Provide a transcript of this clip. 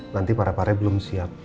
nanti parepare belum siap